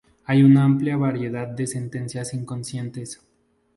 Hay una amplia variedad de sentencias inconsistentes.